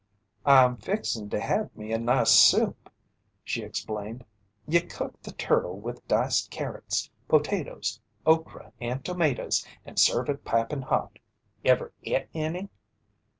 "I'm fixin' to have me a nice soup," she explained. "Ye cook the turtle with diced carrots, potatoes, okra, and tomatoes and serve it piping hot. Ever et any?"